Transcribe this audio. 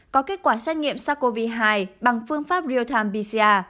có kết quả xét nghiệm sars cov hai bằng phương pháp real time pcr